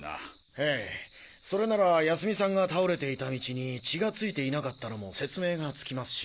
ええそれなら泰美さんが倒れていた道に血がついていなかったのも説明がつきますし。